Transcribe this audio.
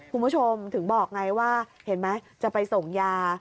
คุณผู้ชมถึงบอกไงว่าเห็นไหมจะไปส่งยา